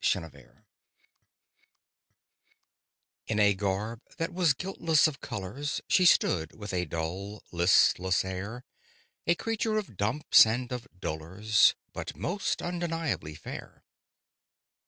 ÆSTHETIC In a garb that was guiltless of colours She stood, with a dull, listless air— A creature of dumps and of dolours, But most undeniably fair.